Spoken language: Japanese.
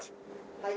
はい。